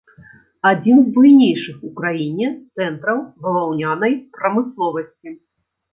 Адзін з буйнейшых у краіне цэнтраў баваўнянай прамысловасці.